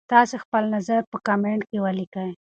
تاسي خپل نظر په کمنټ کي ولیکئ.